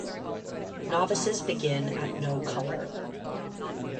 Novices begin at no colour.